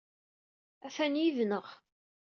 Atan yid-neɣ.